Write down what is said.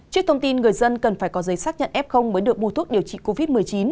trước thông tin người dân cần phải có giấy xác nhận f mới được bu thuốc điều trị covid một mươi chín